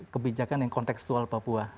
kebijakan yang konteksual papua